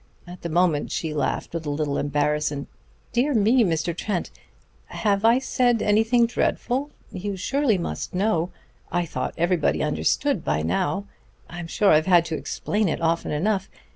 At the moment she laughed with a little embarrassment. "Dear me, Mr. Trent! Have I said anything dreadful? You surely must know ... I thought everybody understood by now ... I'm sure I've had to explain it often enough